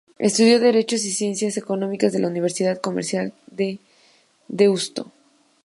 Estudió Derecho y Ciencias Económicas en la Universidad Comercial de Deusto.